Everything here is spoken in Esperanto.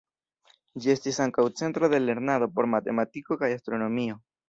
Ĝi estis ankaŭ centro de lernado por matematiko kaj astronomio.